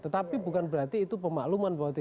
tetapi bukan berarti itu pemakluman bahwa